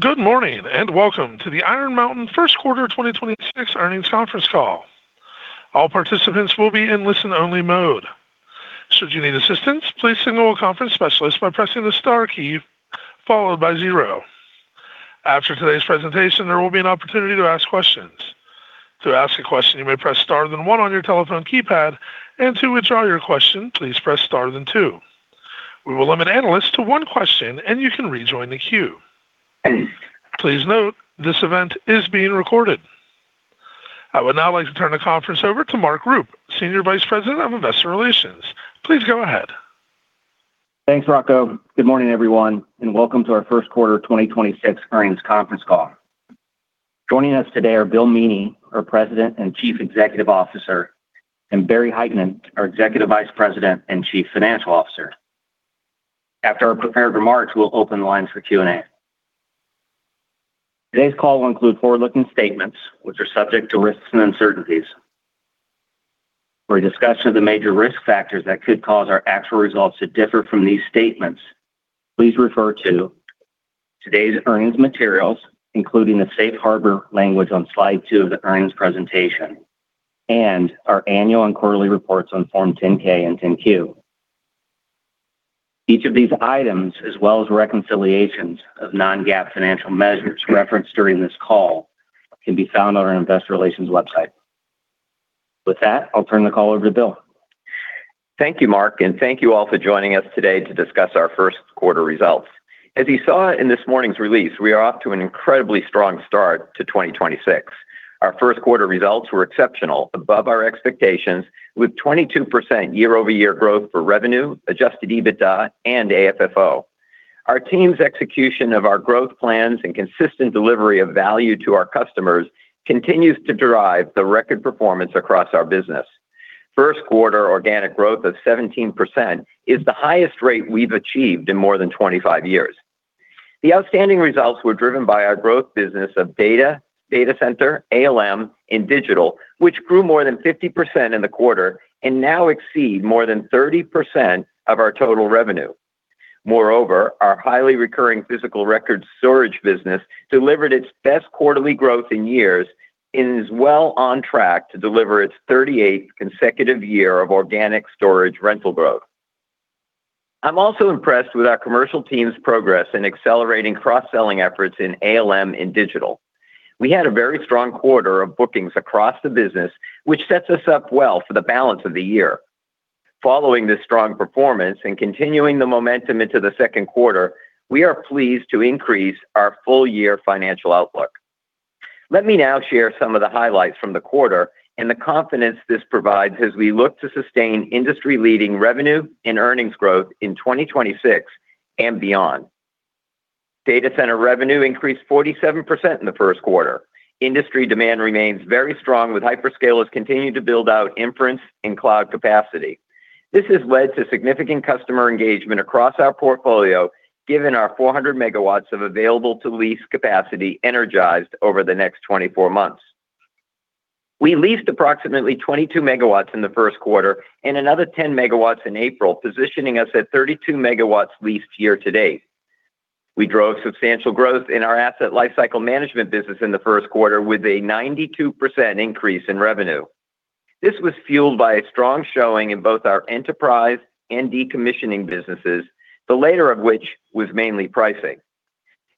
Good morning. Welcome to the Iron Mountain first quarter 2026 earnings conference call. I would now like to turn the conference over to Mark Rupe, Senior Vice President of Investor Relations. Please go ahead. Thanks, Rocco. Good morning, everyone, and welcome to our 1st quarter 2026 earnings conference call. Joining us today are Bill Meaney, our President and Chief Executive Officer, and Barry Hytinen, our Executive Vice President and Chief Financial Officer. After our prepared remarks, we'll open the lines for Q&A. Today's call will include forward-looking statements which are subject to risks and uncertainties. For a discussion of the major risk factors that could cause our actual results to differ from these statements, please refer to today's earnings materials, including the safe harbor language on slide two of the earnings presentation and our annual and quarterly reports on Form 10-K and 10-Q. Each of these items, as well as reconciliations of non-GAAP financial measures referenced during this call, can be found on our investor relations website. With that, I'll turn the call over to Bill. Thank you, Mark, and thank you all for joining us today to discuss our first quarter results. As you saw in this morning's release, we are off to an incredibly strong start to 2026. Our first quarter results were exceptional, above our expectations, with 22% year-over-year growth for revenue, adjusted EBITDA, and AFFO. Our team's execution of our growth plans and consistent delivery of value to our customers continues to drive the record performance across our business. First quarter organic growth of 17% is the highest rate we've achieved in more than 25 years. The outstanding results were driven by our growth business of data center, ALM, and digital, which grew more than 50% in the quarter and now exceed more than 30% of our total revenue. Our highly recurring physical record storage business delivered its best quarterly growth in years and is well on track to deliver its 38th consecutive year of organic storage rental growth. I'm also impressed with our commercial team's progress in accelerating cross-selling efforts in ALM and digital. We had a very strong quarter of bookings across the business, which sets us up well for the balance of the year. Following this strong performance and continuing the momentum into the second quarter, we are pleased to increase our full-year financial outlook. Let me now share some of the highlights from the quarter and the confidence this provides as we look to sustain industry-leading revenue and earnings growth in 2026 and beyond. Data center revenue increased 47% in the first quarter. Industry demand remains very strong, with hyperscalers continuing to build out inference and cloud capacity. This has led to significant customer engagement across our portfolio, given our 400 MW of available to lease capacity energized over the next 24 months. We leased approximately 22 MW in the first quarter and another 10 MW in April, positioning us at 32 MW leased year-to-date. We drove substantial growth in our Asset Lifecycle Management business in the first quarter with a 92% increase in revenue. This was fueled by a strong showing in both our enterprise and decommissioning businesses, the latter of which was mainly pricing.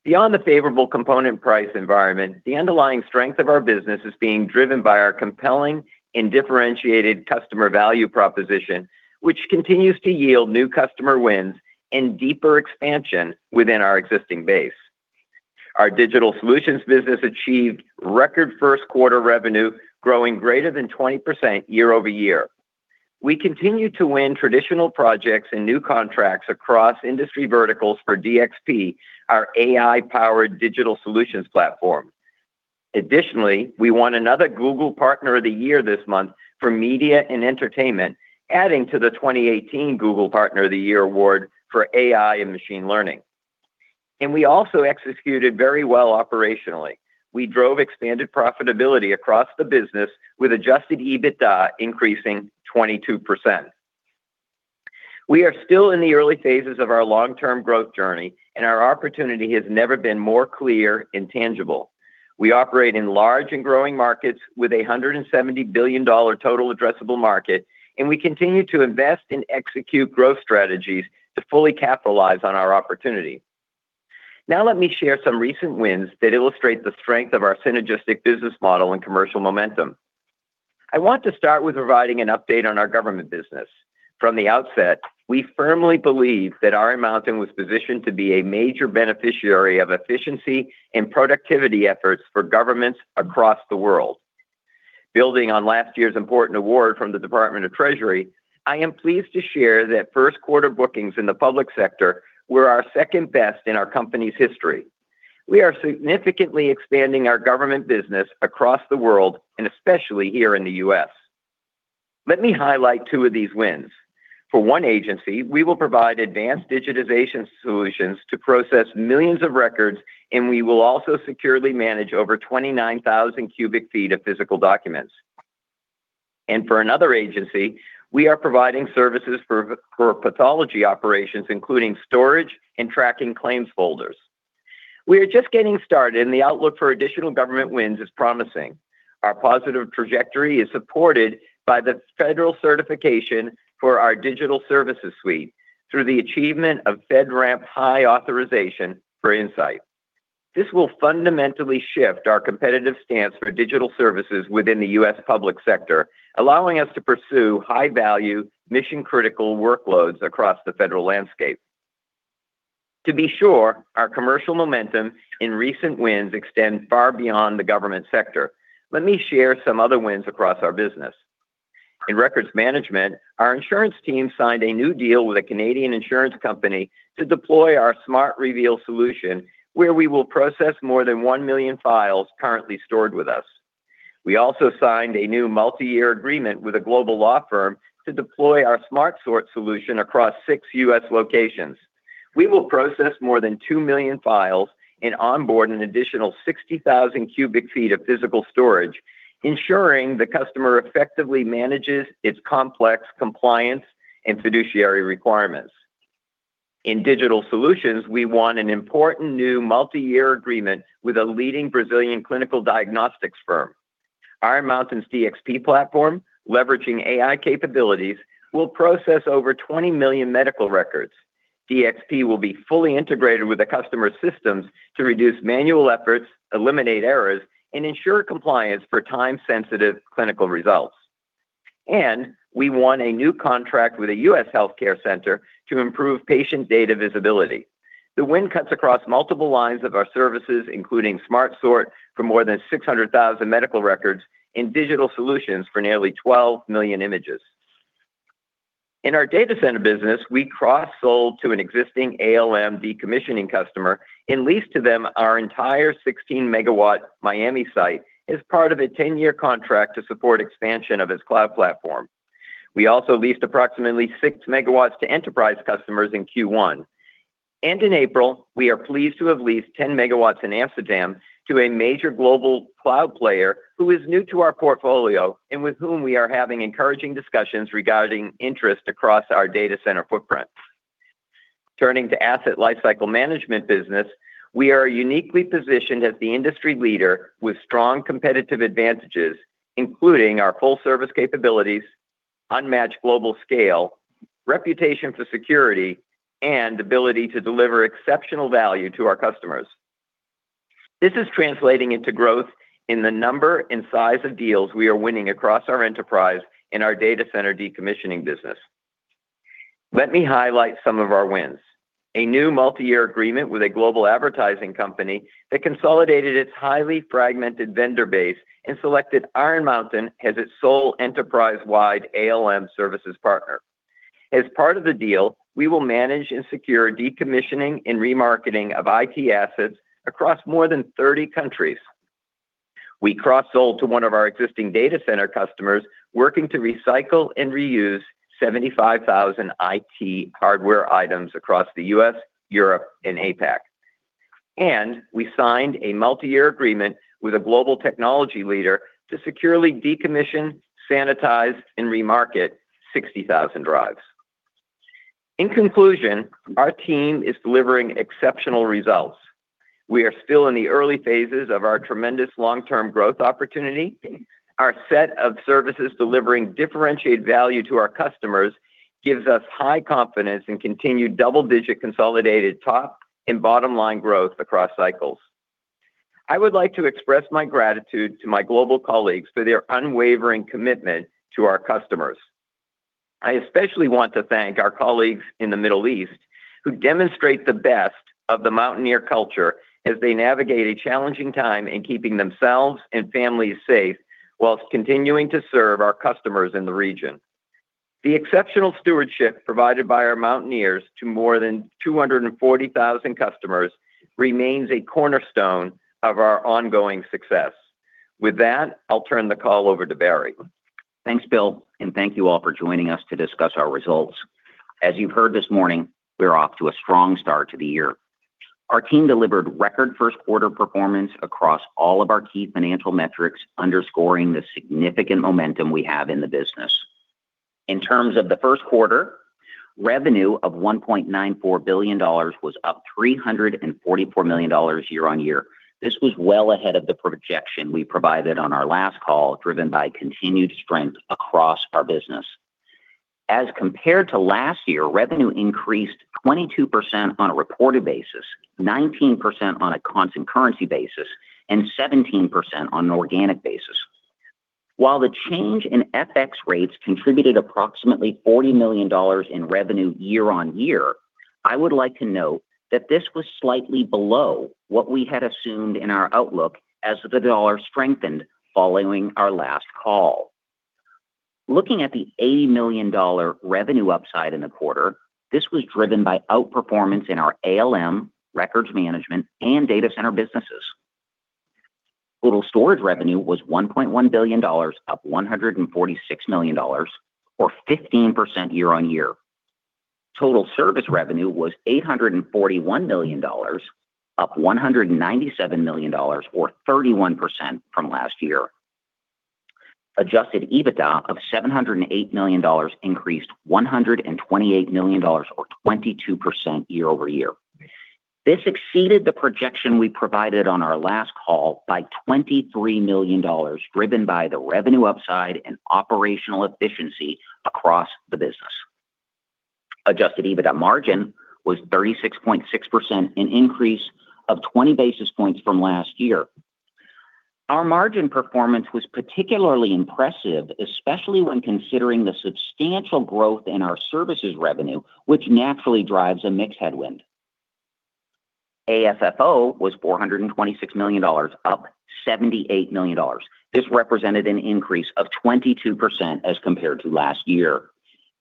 Beyond the favorable component price environment, the underlying strength of our business is being driven by our compelling and differentiated customer value proposition, which continues to yield new customer wins and deeper expansion within our existing base. Our digital solutions business achieved record first quarter revenue, growing greater than 20% year-over-year. We continue to win traditional projects and new contracts across industry verticals for DXP, our AI-powered digital solutions platform. We won another Google Partner of the Year this month for media and entertainment, adding to the 2018 Google Partner of the Year award for AI and machine learning. We also executed very well operationally. We drove expanded profitability across the business with adjusted EBITDA increasing 22%. We are still in the early phases of our long-term growth journey, our opportunity has never been more clear and tangible. We operate in large and growing markets with a $170 billion total addressable market, we continue to invest and execute growth strategies to fully capitalize on our opportunity. Let me share some recent wins that illustrate the strength of our synergistic business model and commercial momentum. I want to start with providing an update on our government business. From the outset, we firmly believe that Iron Mountain was positioned to be a major beneficiary of efficiency and productivity efforts for governments across the world. Building on last year's important award from the Department of Treasury, I am pleased to share that first quarter bookings in the public sector were our second best in our company's history. We are significantly expanding our government business across the world and especially here in the U.S. Let me highlight two of these wins. For one agency, we will provide advanced digitization solutions to process millions of records, and we will also securely manage over 29,000 cubic feet of physical documents. For another agency, we are providing services for pathology operations, including storage and tracking claims folders. We are just getting started, and the outlook for additional government wins is promising. Our positive trajectory is supported by the federal certification for our digital services suite through the achievement of FedRAMP High authorization for InSight. This will fundamentally shift our competitive stance for digital services within the U.S. public sector, allowing us to pursue high-value mission-critical workloads across the federal landscape. To be sure, our commercial momentum in recent wins extend far beyond the government sector. Let me share some other wins across our business. In records management, our insurance team signed a new deal with a Canadian insurance company to deploy our Smart Reveal solution, where we will process more than 1 million files currently stored with us. We also signed a new multi-year agreement with a global law firm to deploy our Smart Sort solution across six U.S. locations. We will process more than 2 million files and onboard an additional 60,000 cubic feet of physical storage, ensuring the customer effectively manages its complex compliance and fiduciary requirements. In digital solutions, we won an important new multi-year agreement with a leading Brazilian clinical diagnostics firm. Iron Mountain's DXP platform, leveraging AI capabilities, will process over 20 million medical records. DXP will be fully integrated with the customer's systems to reduce manual efforts, eliminate errors, and ensure compliance for time-sensitive clinical results. We won a new contract with a U.S. healthcare center to improve patient data visibility. The win cuts across multiple lines of our services, including Smart Sort for more than 600,000 medical records and digital solutions for nearly 12 million images. In our data center business, we cross-sold to an existing ALM decommissioning customer and leased to them our entire 16 MW Miami site as part of a 10-year contract to support expansion of its cloud platform. We also leased approximately 6 MW to enterprise customers in Q1. In April, we are pleased to have leased 10 MW in Amsterdam to a major global cloud player who is new to our portfolio and with whom we are having encouraging discussions regarding interest across our data center footprint. Turning to Asset Lifecycle Management business, we are uniquely positioned as the industry leader with strong competitive advantages, including our full-service capabilities, unmatched global scale, reputation for security, and ability to deliver exceptional value to our customers. This is translating into growth in the number and size of deals we are winning across our enterprise in our data center decommissioning business. Let me highlight some of our wins. A new multi-year agreement with a global advertising company that consolidated its highly fragmented vendor base and selected Iron Mountain as its sole enterprise-wide ALM services partner. As part of the deal, we will manage and secure decommissioning and remarketing of IT assets across more than 30 countries. We cross-sold to one of our existing data center customers working to recycle and reuse 75,000 IT hardware items across the U.S., Europe, and APAC. We signed a multi-year agreement with a global technology leader to securely decommission, sanitize, and remarket 60,000 drives. In conclusion, our team is delivering exceptional results. We are still in the early phases of our tremendous long-term growth opportunity. Our set of services delivering differentiated value to our customers gives us high confidence in continued double-digit consolidated top and bottom-line growth across cycles. I would like to express my gratitude to my global colleagues for their unwavering commitment to our customers. I especially want to thank our colleagues in the Middle East who demonstrate the best of the Mountaineer culture as they navigate a challenging time in keeping themselves and families safe whilst continuing to serve our customers in the region. The exceptional stewardship provided by our Mountaineers to more than 240,000 customers remains a cornerstone of our ongoing success. With that, I'll turn the call over to Barry. Thanks, Bill. Thank you all for joining us to discuss our results. As you've heard this morning, we're off to a strong start to the year. Our team delivered record first quarter performance across all of our key financial metrics, underscoring the significant momentum we have in the business. In terms of the first quarter, revenue of $1.94 billion was up $344 million year-over-year. This was well ahead of the projection we provided on our last call, driven by continued strength across our business. As compared to last year, revenue increased 22% on a reported basis, 19% on a constant currency basis, and 17% on an organic basis. While the change in FX rates contributed approximately $40 million in revenue year-on-year, I would like to note that this was slightly below what we had assumed in our outlook as the dollar strengthened following our last call. Looking at the $80 million revenue upside in the quarter, this was driven by outperformance in our ALM, records management, and data center businesses. Total storage revenue was $1.1 billion, up $146 million or 15% year-on-year. Total service revenue was $841 million, up $197 million or 31% from last year. Adjusted EBITDA of $708 million increased $128 million or 22% year-over-year. This exceeded the projection we provided on our last call by $23 million, driven by the revenue upside and operational efficiency across the business. Adjusted EBITDA margin was 36.6%, an increase of 20 basis points from last year. Our margin performance was particularly impressive, especially when considering the substantial growth in our services revenue, which naturally drives a mix headwind. AFFO was $426 million, up $78 million. This represented an increase of 22% as compared to last year.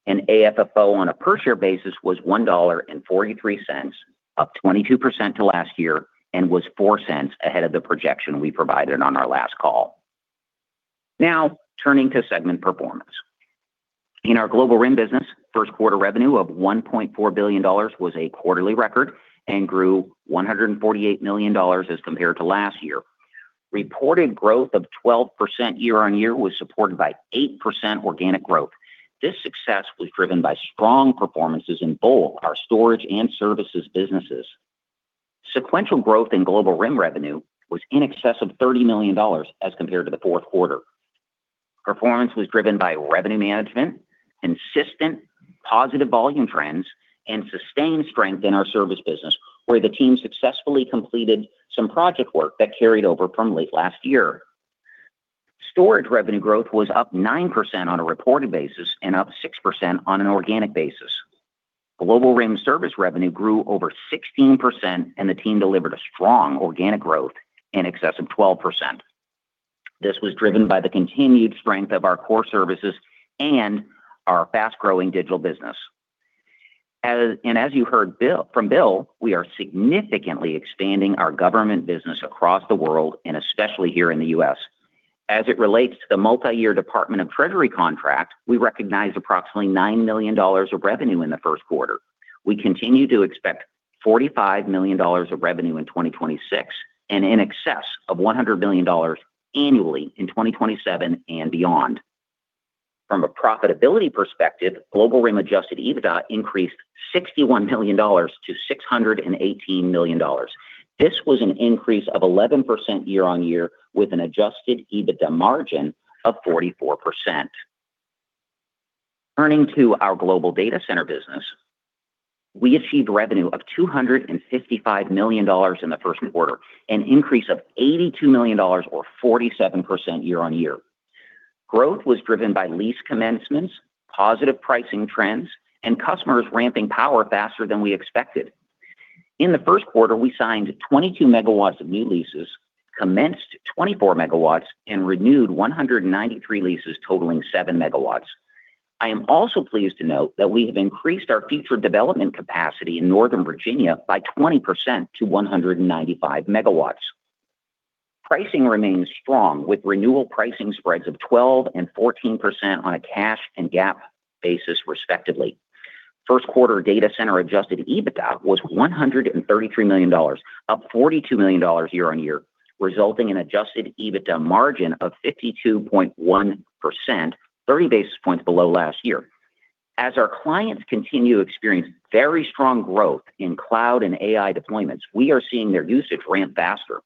AFFO on a per share basis was $1.43, up 22% to last year and was $0.04 ahead of the projection we provided on our last call. Now turning to segment performance. In our Global RIM business, first quarter revenue of $1.4 billion was a quarterly record and grew $148 million as compared to last year. Reported growth of 12% year-on-year was supported by 8% organic growth. This success was driven by strong performances in both our storage and services businesses. Sequential growth in Global RIM revenue was in excess of $30 million as compared to the fourth quarter. Performance was driven by revenue management, consistent positive volume trends, and sustained strength in our service business, where the team successfully completed some project work that carried over from late last year. Storage revenue growth was up 9% on a reported basis and up 6% on an organic basis. Global RIM service revenue grew over 16%. The team delivered a strong organic growth in excess of 12%. This was driven by the continued strength of our core services and our fast-growing digital business. As you heard from Bill, we are significantly expanding our government business across the world and especially here in the U.S. As it relates to the multiyear Department of the Treasury contract, we recognized approximately $9 million of revenue in the first quarter. We continue to expect $45 million of revenue in 2026 and in excess of $100 million annually in 2027 and beyond. From a profitability perspective, Global RIM adjusted EBITDA increased $61 million to $618 million. This was an increase of 11% year-on-year with an adjusted EBITDA margin of 44%. Turning to our global data center business, we achieved revenue of $255 million in the first quarter, an increase of $82 million or 47% year-on-year. Growth was driven by lease commencements, positive pricing trends, and customers ramping power faster than we expected. In the first quarter, we signed 22 MW of new leases, commenced 24 MW, and renewed 193 leases totaling 7 MW. I am also pleased to note that we have increased our future development capacity in Northern Virginia by 20% to 195 MW. Pricing remains strong with renewal pricing spreads of 12% and 14% on a cash and GAAP basis, respectively. First quarter data center adjusted EBITDA was $133 million, up $42 million year-on-year, resulting in adjusted EBITDA margin of 52.1%, 30 basis points below last year. As our clients continue to experience very strong growth in cloud and AI deployments, we are seeing their usage ramp faster.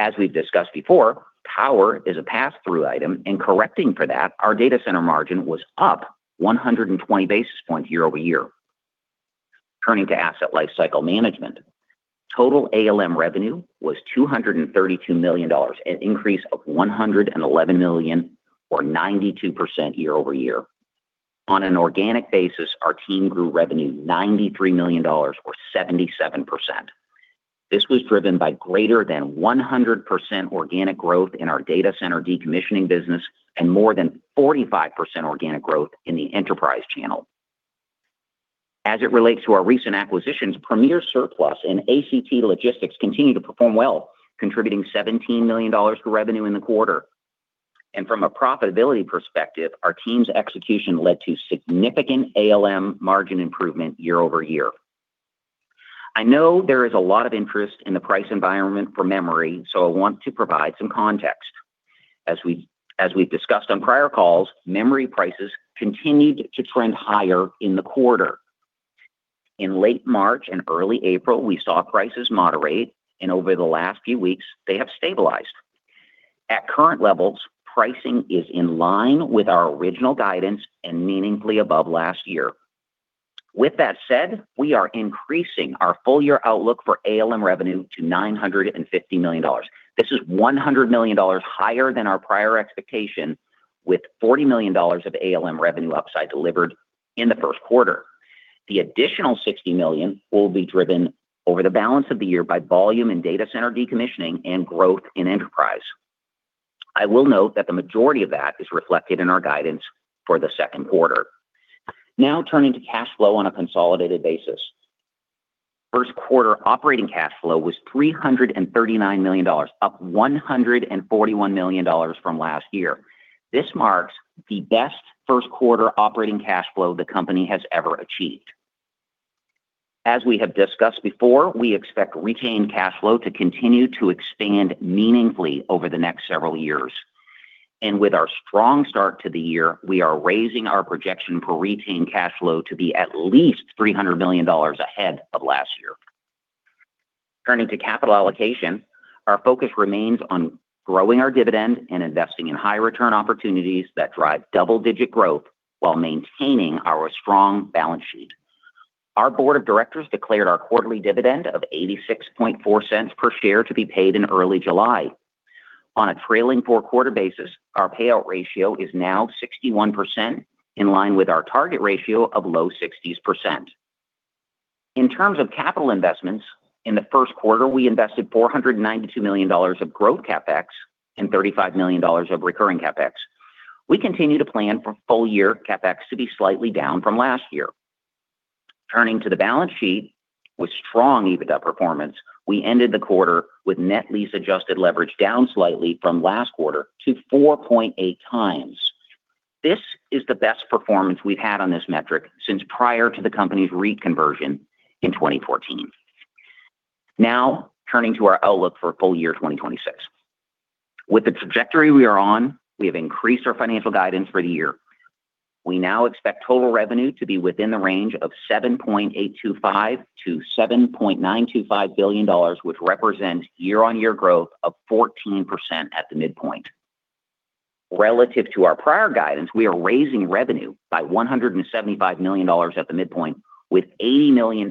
As we've discussed before, power is a pass-through item, and correcting for that, our data center margin was up 120 basis points year-over-year. Turning to Asset Lifecycle Management. Total ALM revenue was $232 million, an increase of $111 million or 92% year-over-year. On an organic basis, our team grew revenue $93 million or 77%. This was driven by greater than 100% organic growth in our data center decommissioning business and more than 45% organic growth in the enterprise channel. As it relates to our recent acquisitions, Premier Surplus and ACT Logistics continue to perform well, contributing $17 million of revenue in the quarter. From a profitability perspective, our team's execution led to significant ALM margin improvement year-over-year. I know there is a lot of interest in the price environment for memory, I want to provide some context. As we've discussed on prior calls, memory prices continued to trend higher in the quarter. In late March and early April, we saw prices moderate, over the last few weeks they have stabilized. At current levels, pricing is in line with our original guidance and meaningfully above last year. With that said, we are increasing our full year outlook for ALM revenue to $950 million. This is $100 million higher than our prior expectation with $40 million of ALM revenue upside delivered in the first quarter. The additional $60 million will be driven over the balance of the year by volume and data center decommissioning and growth in enterprise. I will note that the majority of that is reflected in our guidance for the second quarter. Turning to cash flow on a consolidated basis. First quarter operating cash flow was $339 million, up $141 million from last year. This marks the best first quarter operating cash flow the company has ever achieved. As we have discussed before, we expect retained cash flow to continue to expand meaningfully over the next several years. With our strong start to the year, we are raising our projection for retained cash flow to be at least $300 million ahead of last year. Turning to capital allocation, our focus remains on growing our dividend and investing in high-return opportunities that drive double-digit growth while maintaining our strong balance sheet. Our board of directors declared our quarterly dividend of $0.864 per share to be paid in early July. On a trailing 4-quarter basis, our payout ratio is now 61% in line with our target ratio of low 60s%. In terms of capital investments, in the first quarter, we invested $492 million of growth CapEx and $35 million of recurring CapEx. We continue to plan for full year CapEx to be slightly down from last year. Turning to the balance sheet, with strong EBITDA performance, we ended the quarter with net lease adjusted leverage down slightly from last quarter to 4.8 times. This is the best performance we've had on this metric since prior to the company's re-conversion in 2014. Turning to our outlook for full year 2026. With the trajectory we are on, we have increased our financial guidance for the year. We now expect total revenue to be within the range of $7.825 billion-$7.925 billion, which represents year-on-year growth of 14% at the midpoint. Relative to our prior guidance, we are raising revenue by $175 million at the midpoint with $80 million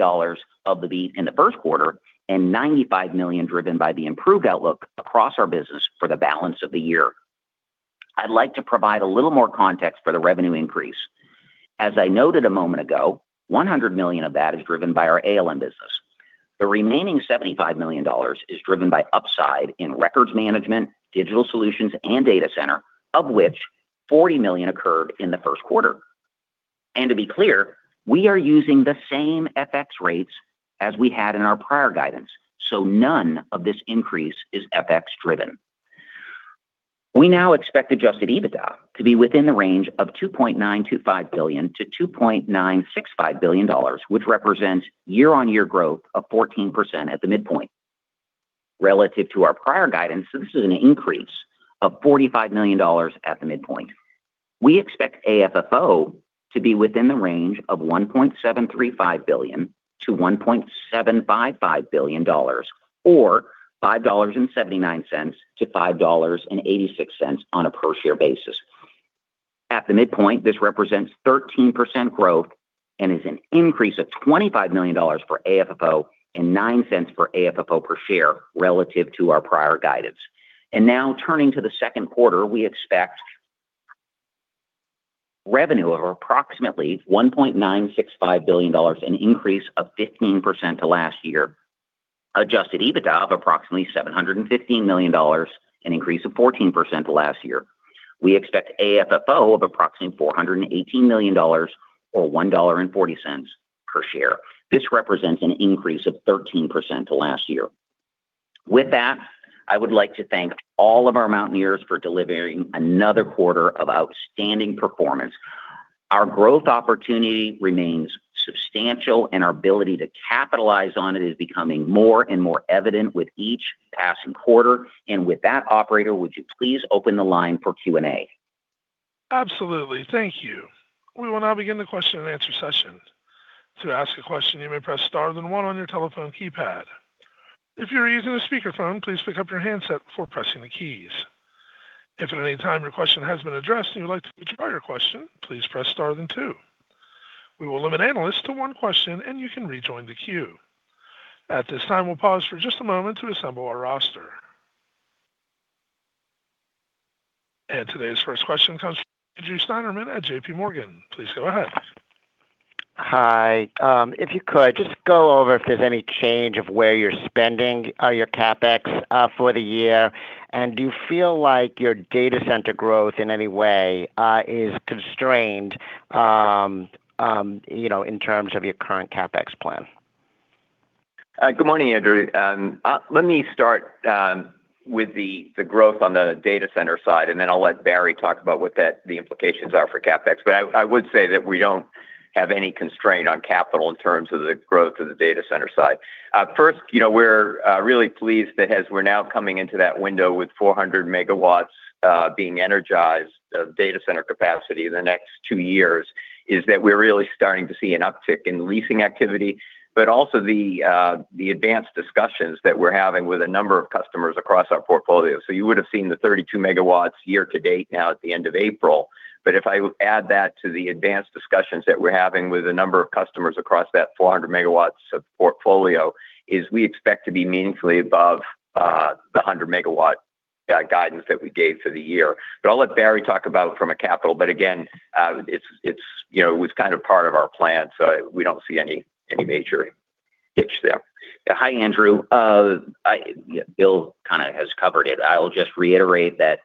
of the beat in the first quarter and $95 million driven by the improved outlook across our business for the balance of the year. I'd like to provide a little more context for the revenue increase. As I noted a moment ago, $100 million of that is driven by our ALM business. The remaining $75 million is driven by upside in records management, digital solutions, and data center, of which $40 million occurred in the first quarter. To be clear, we are using the same FX rates as we had in our prior guidance, so none of this increase is FX driven. We now expect adjusted EBITDA to be within the range of $2.925 billion-$2.965 billion, which represents year-on-year growth of 14% at the midpoint. Relative to our prior guidance, this is an increase of $45 million at the midpoint. We expect AFFO to be within the range of $1.735 billion-$1.755 billion, or $5.79-$5.86 on a per share basis. At the midpoint, this represents 13% growth and is an increase of $25 million for AFFO and $0.09 for AFFO per share relative to our prior guidance. Now turning to the second quarter, we expect revenue of approximately $1.965 billion, an increase of 15% to last year. Adjusted EBITDA of approximately $715 million, an increase of 14% to last year. We expect AFFO of approximately $418 million or $1.40 per share. This represents an increase of 13% to last year. With that, I would like to thank all of our Mountaineers for delivering another quarter of outstanding performance. Our growth opportunity remains substantial, and our ability to capitalize on it is becoming more and more evident with each passing quarter. With that, operator, would you please open the line for Q&A? Absolutely. Thank you. We will now begin the Question and Answer session. To ask a question, you may press star one on your telephone keypad. If you're using a speakerphone, please pick up your handset before pressing the keys. If at any time your question has been addressed and you would like to withdraw your question, please press star two. We will limit analysts to one question, and you can rejoin the queue. At this time, we'll pause for just a moment to assemble our roster. Today's first question comes from Andrew Steinerman at JPMorgan. Please go ahead. Hi. If you could just go over if there's any change of where you're spending, your CapEx, for the year. Do you feel like your data center growth in any way, is constrained, you know, in terms of your current CapEx plan? Good morning, Andrew. Let me start with the growth on the data center side, and then I'll let Barry talk about what that the implications are for CapEx. I would say that we don't have any constraint on capital in terms of the growth of the data center side. First, you know, we're really pleased that as we're now coming into that window with 400 MW being energized of data center capacity in the next two years, is that we're really starting to see an uptick in leasing activity, but also the advanced discussions that we're having with a number of customers across our portfolio. You would have seen the 32 MW year to date now at the end of April. If I add that to the advanced discussions that we're having with a number of customers across that 400 MW of portfolio, is we expect to be meaningfully above the 100 MW guidance that we gave for the year. I'll let Barry talk about from a capital. Again, it's, you know, it was kind of part of our plan, so we don't see any major ditch there. Hi, Andrew. Bill kinda has covered it. I'll just reiterate that.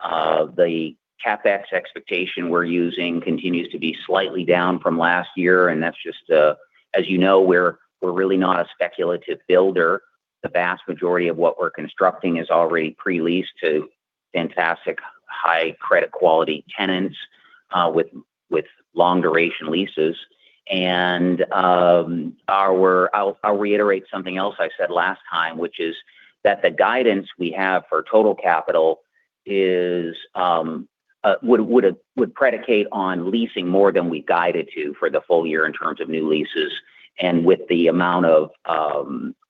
The CapEx expectation we're using continues to be slightly down from last year. That's just as you know, we're really not a speculative builder. The vast majority of what we're constructing is already pre-leased to fantastic high credit quality tenants with long duration leases. I'll reiterate something else I said last time, which is that the guidance we have for total capital is would predicate on leasing more than we guided to for the full year in terms of new leases. With the amount of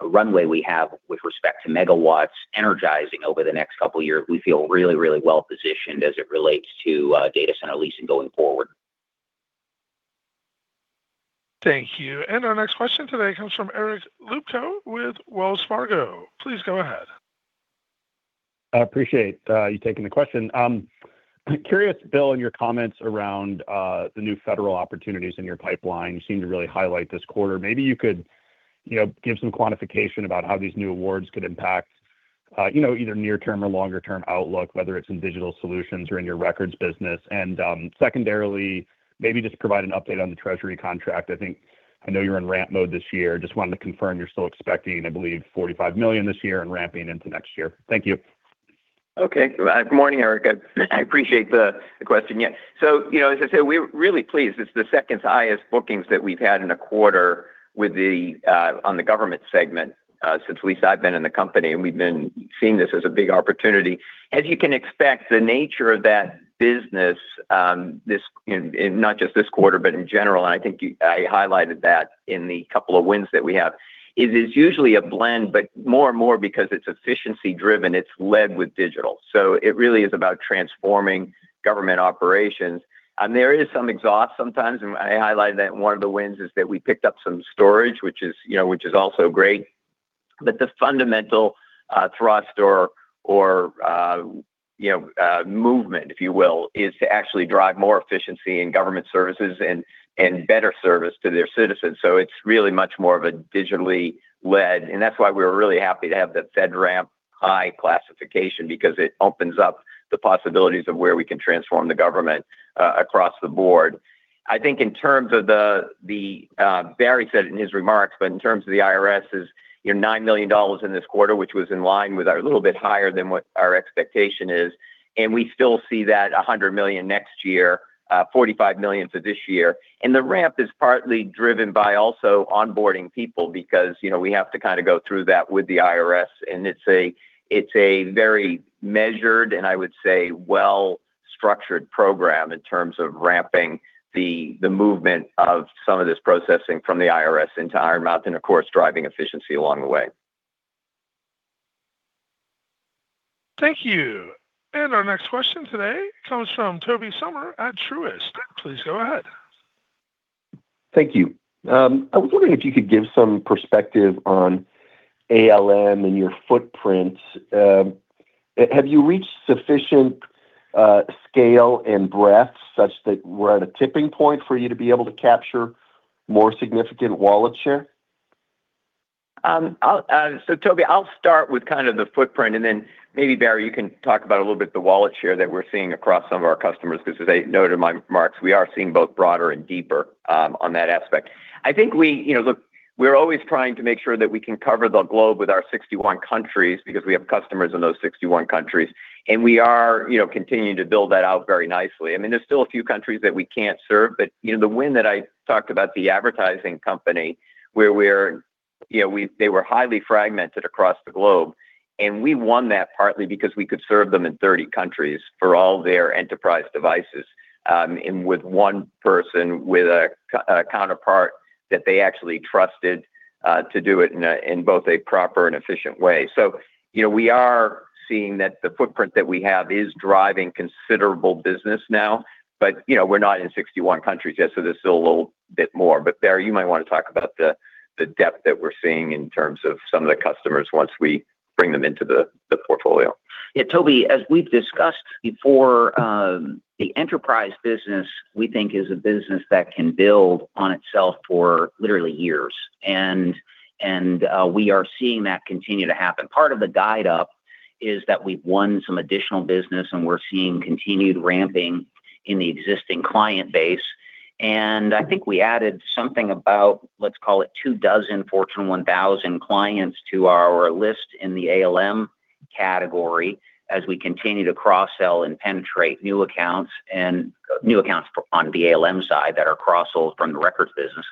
runway we have with respect to MW energizing over the next couple of years, we feel really well-positioned as it relates to data center leasing going forward. Thank you. Our next question today comes from Eric Luebchow with Wells Fargo. Please go ahead. I appreciate you taking the question. I'm curious, Bill, in your comments around the new federal opportunities in your pipeline you seem to really highlight this quarter. Maybe you could, you know, give some quantification about how these new awards could impact, you know, either near term or longer term outlook, whether it's in digital solutions or in your records business. Secondarily, maybe just provide an update on the treasury contract. I think I know you're in ramp mode this year. Just wanted to confirm you're still expecting, I believe, $45 million this year and ramping into next year. Thank you. Okay. Good morning, Eric. I appreciate the question. You know, as I said, we're really pleased. It's the second-highest bookings that we've had in a quarter on the government segment since we start being in the company, and we've been seeing this as a big opportunity. As you can expect, the nature of that business, this, not just this quarter, but in general, and I think I highlighted that in the couple of wins that we have, it's usually a blend, but more and more because it's efficiency driven, it's led with digital. It really is about transforming government operations. There is some exhaust sometimes, and I highlighted that in one of the wins is that we picked up some storage, which is, you know, which is also great. The fundamental thrust or, you know, movement, if you will, is to actually drive more efficiency in government services and better service to their citizens. It's really much more of a digitally led. That's why we're really happy to have the FedRAMP high classification because it opens up the possibilities of where we can transform the government across the board. I think in terms of the, Barry said it in his remarks, but in terms of the IRS is, you know, $9 million in this quarter, which was in line with our, a little bit higher than what our expectation is, and we still see that $100 million next year, $45 million for this year. The RAMP is partly driven by also onboarding people because, you know, we have to kind of go through that with the IRS, and it's a very measured, and I would say, well-structured program in terms of ramping the movement of some of this processing from the IRS into Iron Mountain, and of course, driving efficiency along the way. Thank you. Our next question today comes from Tobey Sommer at Truist. Please go ahead. Thank you. I was wondering if you could give some perspective on ALM and your footprint. Have you reached sufficient scale and breadth such that we're at a tipping point for you to be able to capture more significant wallet share? Tobey, I'll start with kind of the footprint and then maybe Barry, you can talk about a little bit the wallet share that we're seeing across some of our customers, because as I noted in my remarks, we are seeing both broader and deeper on that aspect. I think we, you know, look, we're always trying to make sure that we can cover the globe with our 61 countries because we have customers in those 61 countries, and we are, you know, continuing to build that out very nicely. I mean, there's still a few countries that we can't serve, but, you know, the win that I talked about, the advertising company, where, you know, they were highly fragmented across the globe, and we won that partly because we could serve them in 30 countries for all their enterprise devices, and with one person with a counterpart that they actually trusted to do it in a, in both a proper and efficient way. You know, we are seeing that the footprint that we have is driving considerable business now, but, you know, we're not in 61 countries yet, so there's still a little bit more. Barry, you might want to talk about the depth that we're seeing in terms of some of the customers once we bring them into the portfolio. Yeah, Tobey, as we've discussed before, the enterprise business, we think, is a business that can build on itself for literally years, and we are seeing that continue to happen. Part of the guide up is that we've won some additional business, we're seeing continued ramping in the existing client base. I think we added something about, let's call it two dozen Fortune 1000 clients to our list in the ALM category as we continue to cross-sell and penetrate new accounts and new accounts on the ALM side that are cross-sold from the records business.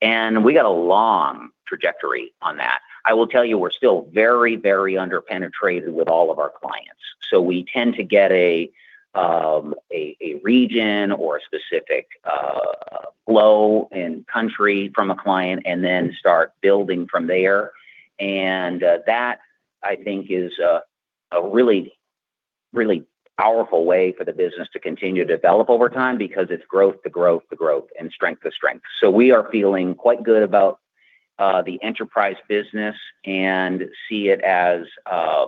We got a long trajectory on that. I will tell you we're still very under-penetrated with all of our clients. We tend to get a region or a specific flow and country from a client and then start building from there. That, I think, is a really, really powerful way for the business to continue to develop over time because it's growth to growth to growth and strength to strength. We are feeling quite good about the enterprise business and see it as a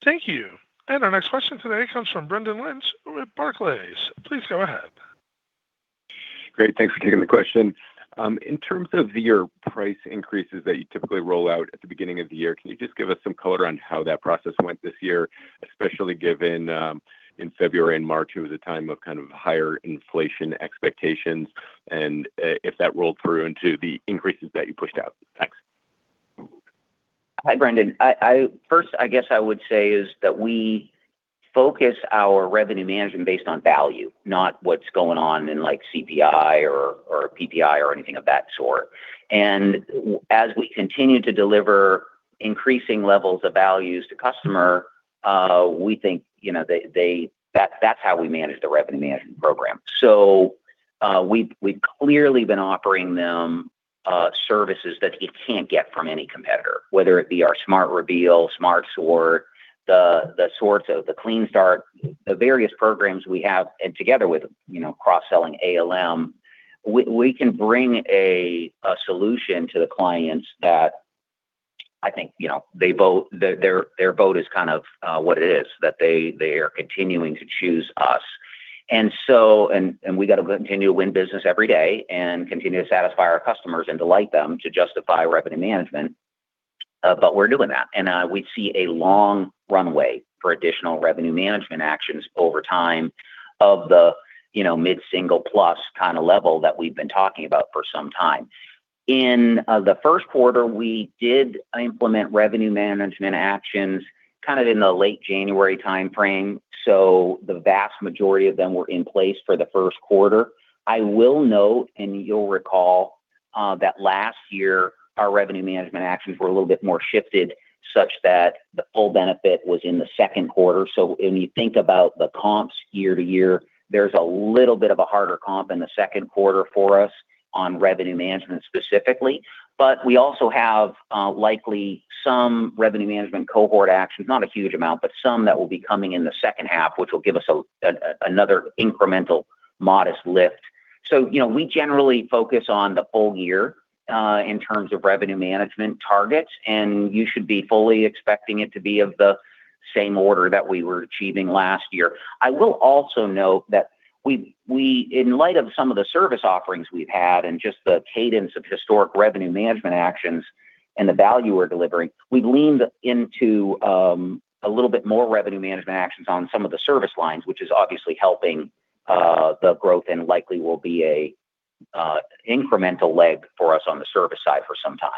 really long-term opportunity. Thank you. Our next question today comes from Brendan Lynch with Barclays. Please go ahead. Great. Thanks for taking the question. In terms of your price increases that you typically roll out at the beginning of the year, can you just give us some color on how that process went this year? Especially given, in February and March, it was a time of kind of higher inflation expectations, and if that rolled through into the increases that you pushed out. Thanks. Hi, Brendan. First, I guess I would say is that we focus our revenue management based on value, not what's going on in, like, CPI or PPI or anything of that sort. As we continue to deliver increasing levels of values to customer, we think, you know, that's how we manage the revenue management program. We've clearly been offering them services that you can't get from any competitor, whether it be our Smart Reveal, Smart Sort, the sorts of the Clean Start, the various programs we have, and together with, you know, cross-selling ALM. We can bring a solution to the clients that I think, you know, Their vote is kind of what it is, that they are continuing to choose us. We got to continue to win business every day and continue to satisfy our customers and delight them to justify revenue management. We're doing that. We see a long runway for additional revenue management actions over time of the, you know, mid-single plus kinda level that we've been talking about for some time. In the first quarter, we did implement revenue management actions kind of in the late January timeframe, the vast majority of them were in place for the first quarter. I will note, and you'll recall, that last year, our revenue management actions were a little bit more shifted such that the full benefit was in the second quarter. When you think about the comps year-over-year, there's a little bit of a harder comp in the second quarter for us on revenue management specifically. We also have, likely some revenue management cohort actions, not a huge amount, but some that will be coming in the second half, which will give us another incremental modest lift. You know, we generally focus on the full year in terms of revenue management targets, and you should be fully expecting it to be of the same order that we were achieving last year. I will also note that we, in light of some of the service offerings we've had and just the cadence of historic revenue management actions and the value we're delivering, we leaned into a little bit more revenue management actions on some of the service lines, which is obviously helping the growth and likely will be a incremental leg for us on the service side for some time.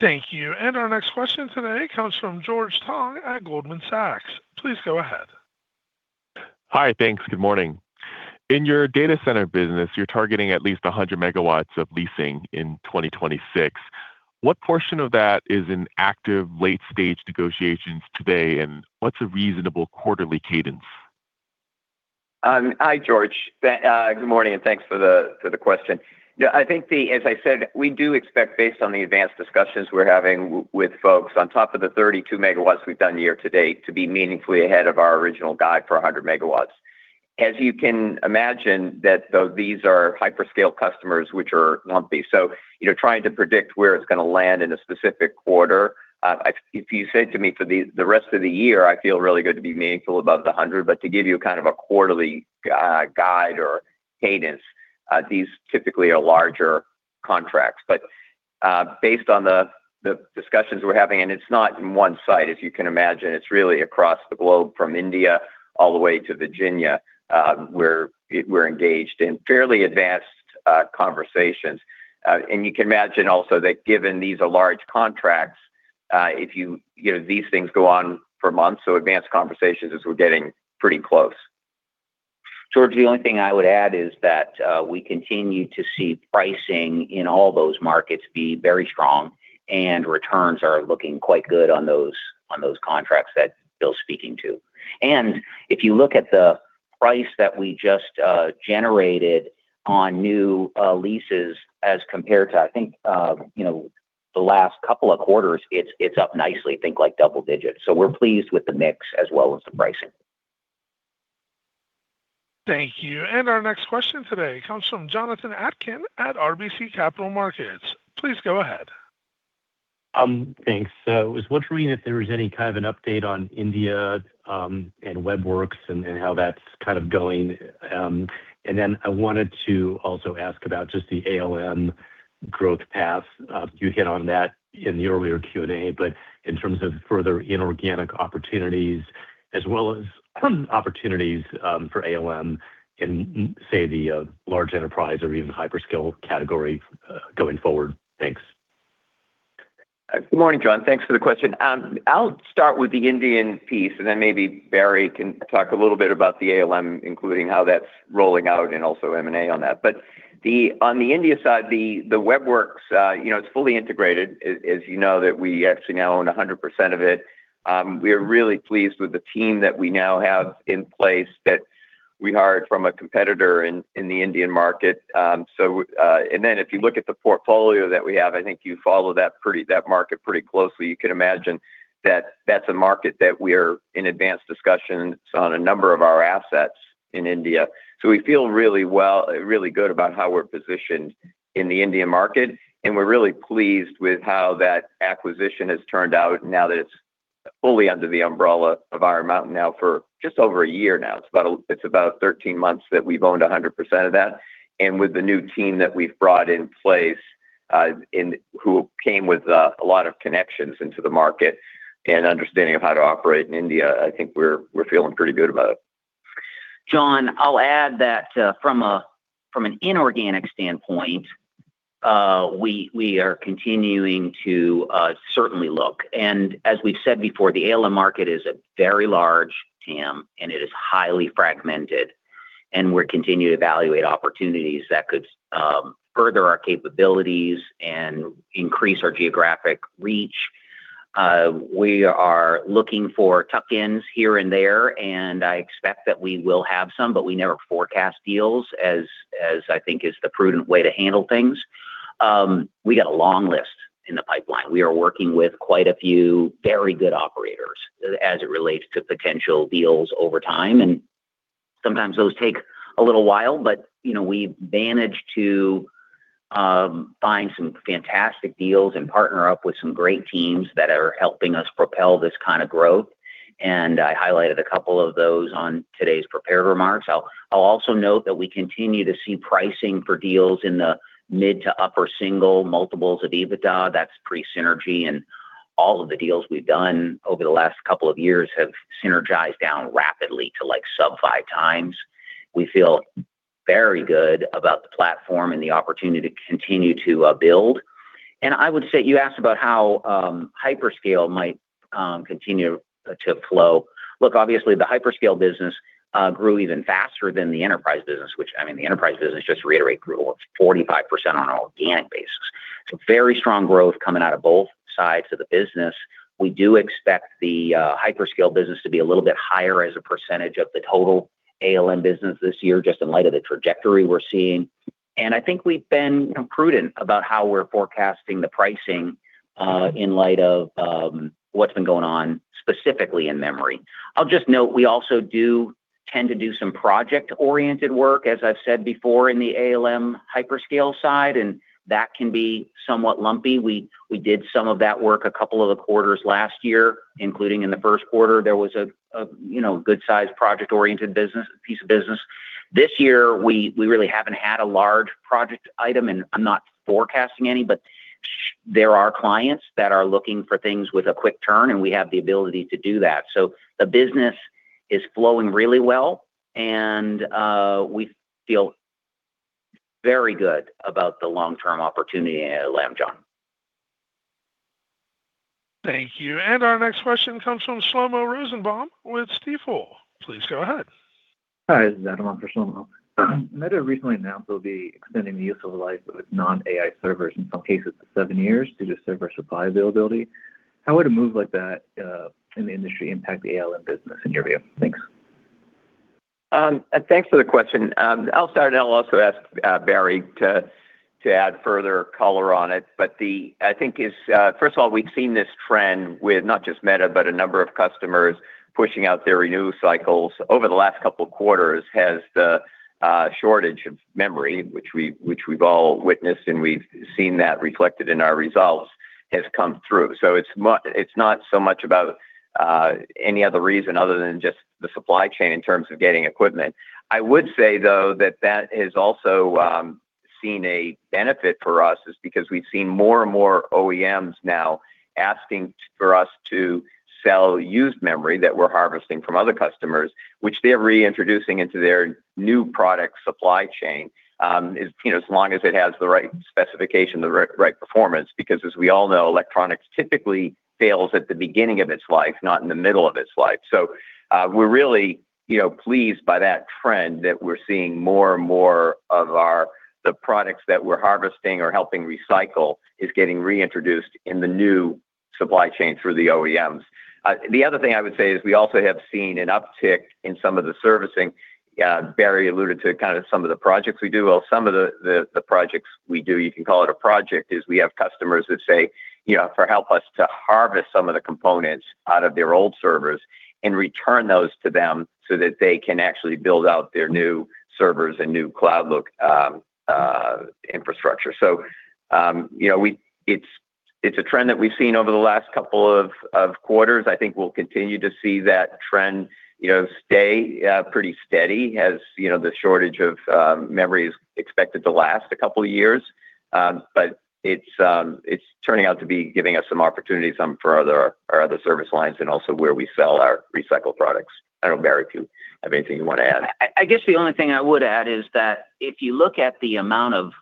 Thank you. Our next question today comes from George Tong at Goldman Sachs. Please go ahead. Hi. Thanks. Good morning. In your data center business, you're targeting at least 100 MW of leasing in 2026. What portion of that is in active late-stage negotiations today, and what's a reasonable quarterly cadence? Hi, George. Good morning, thanks for the question. As I said, we do expect based on the advanced discussions we're having with folks on top of the 32 MW we've done year to date to be meaningfully ahead of our original guide for 100 MW. As you can imagine, that, though these are hyperscale customers which are lumpy, so, you know, trying to predict where it's gonna land in a specific quarter, if you said to me for the rest of the year, I feel really good to be meaningful above the 100 MW, but to give you kind of a quarterly guide or cadence, these typically are larger contracts. Based on the discussions we're having, and it's not in one site, as you can imagine, it's really across the globe from India all the way to Virginia, we're engaged in fairly advanced conversations. You can imagine also that given these are large contracts, if you know, these things go on for months, so advanced conversations is we're getting pretty close. George, the only thing I would add is that we continue to see pricing in all those markets be very strong, and returns are looking quite good on those, on those contracts that Bill's speaking to. If you look at the price that we just generated on new leases as compared to, I think, you know, the last couple of quarters, it's up nicely, think like double digits. We're pleased with the mix as well as the pricing. Thank you. Our next question today comes from Jonathan Atkin at RBC Capital Markets. Please go ahead. Thanks. I was wondering if there was any kind of an update on India, and Web Werks and how that's kind of going. I wanted to also ask about just the ALM growth path. You hit on that in the earlier Q&A, but in terms of further inorganic opportunities as well as opportunities for ALM in, say, the large enterprise or even hyperscale category going forward. Thanks. Good morning, Jon. Thanks for the question. I'll start with the Indian piece. Then maybe Barry can talk a little bit about the ALM, including how that's rolling out and also M&A on that. On the India side, the Web Werks, you know, it's fully integrated, as you know, that we actually now own 100% of it. We are really pleased with the team that we now have in place that we hired from a competitor in the Indian market. Then if you look at the portfolio that we have, I think you follow that market pretty closely, you can imagine That's a market that we're in advanced discussions on a number of our assets in India. We feel really good about how we're positioned in the Indian market, and we're really pleased with how that acquisition has turned out now that it's fully under the umbrella of Iron Mountain now for just over a year now. It's about 13 months that we've owned 100% of that. With the new team that we've brought in place, who came with a lot of connections into the market and understanding of how to operate in India, I think we're feeling pretty good about it. Jon, I'll add that from an inorganic standpoint, we are continuing to certainly look. As we've said before, the ALM market is a very large TAM, and it is highly fragmented, and we're continuing to evaluate opportunities that could further our capabilities and increase our geographic reach. We are looking for tuck-ins here and there, and I expect that we will have some, but we never forecast deals as I think is the prudent way to handle things. We got a long list in the pipeline. We are working with quite a few very good operators as it relates to potential deals over time. Sometimes those take a little while, but, you know, we've managed to find some fantastic deals and partner up with some great teams that are helping us propel this kind of growth. I highlighted a couple of those on today's prepared remarks. I'll also note that we continue to see pricing for deals in the mid to upper single multiples of EBITDA. That's pre-synergy. All of the deals we've done over the last couple of years have synergized down rapidly to like sub 5 times. We feel very good about the platform and the opportunity to continue to build. I would say you asked about how hyperscale might continue to flow. Look, obviously, the hyperscale business grew even faster than the enterprise business. I mean, the enterprise business, just to reiterate, grew 45% on an organic basis. Very strong growth coming out of both sides of the business. We do expect the hyperscale business to be a little bit higher as a percentage of the total ALM business this year, just in light of the trajectory we're seeing. I think we've been prudent about how we're forecasting the pricing in light of what's been going on specifically in memory. I'll just note, we also do tend to do some project-oriented work, as I've said before, in the ALM hyperscale side, and that can be somewhat lumpy. We did some of that work a couple of the quarters last year, including in the first quarter. There was a good-sized project-oriented business, piece of business. This year, we really haven't had a large project item, and I'm not forecasting any, but there are clients that are looking for things with a quick turn, and we have the ability to do that. The business is flowing really well, and we feel very good about the long-term opportunity at ALM, Jon. Thank you. Our next question comes from Shlomo Rosenbaum with Stifel. Please go ahead. Hi, this is Adam on for Shlomo. Meta recently announced they'll be extending the use of the life of non-AI servers in some cases to seven years due to server supply availability. How would a move like that in the industry impact the ALM business in your view? Thanks. Thanks for the question. I'll start, and I'll also ask Barry to add further color on it. I think is, first of all, we've seen this trend with not just Meta, but a number of customers pushing out their renew cycles over the last couple of quarters, has the shortage of memory, which we've all witnessed and we've seen that reflected in our results, has come through. It's not so much about any other reason other than just the supply chain in terms of getting equipment. I would say, though, that that has also seen a benefit for us is because we've seen more and more OEMs now asking for us to sell used memory that we're harvesting from other customers, which they're reintroducing into their new product supply chain, as, you know, as long as it has the right specification, the right performance. Because as we all know, electronics typically fails at the beginning of its life, not in the middle of its life. We're really, you know, pleased by that trend that we're seeing more and more of the products that we're harvesting or helping recycle is getting reintroduced in the new supply chain through the OEMs. The other thing I would say is we also have seen an uptick in some of the servicing. Barry alluded to kind of some of the projects we do. Well, some of the projects we do, you can call it a project, is we have customers that say, you know, for help us to harvest some of the components out of their old servers and return those to them so that they can actually build out their new servers and new cloud look infrastructure. You know, it's a trend that we've seen over the last couple of quarters. I think we'll continue to see that trend, you know, stay pretty steady as, you know, the shortage of memory is expected to last a couple years. But it's turning out to be giving us some opportunities for our other service lines and also where we sell our recycled products. I don't know, Barry, if you have anything you want to add. I guess the only thing I would add is that if you look at the amount of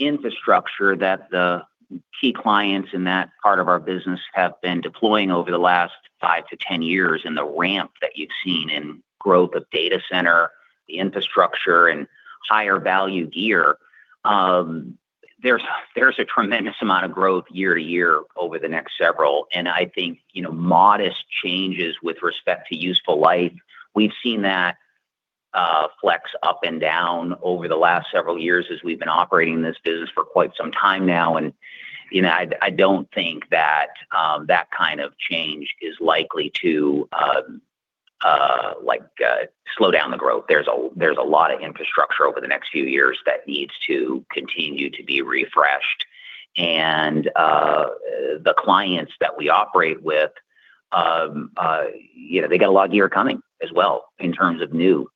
infrastructure that the key clients in that part of our business have been deploying over the last 5 to 10 years and the ramp that you've seen in growth of data center infrastructure and higher value gear, there's a tremendous amount of growth year to year over the next several. I think, you know, modest changes with respect to useful life, we've seen that flex up and down over the last several years as we've been operating this business for quite some time now. You know, I don't think that kind of change is likely to slow down the growth. There's a lot of infrastructure over the next few years that needs to continue to be refreshed. The clients that we operate with, you know, they got a lot of gear coming as well in terms of new.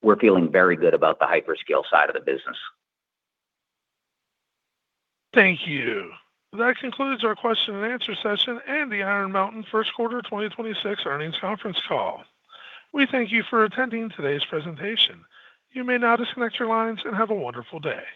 We're feeling very good about the hyperscale side of the business. Thank you. That concludes our question and answer session and the Iron Mountain first quarter 2026 earnings conference call. We thank you for attending today's presentation. You may now disconnect your lines and have a wonderful day.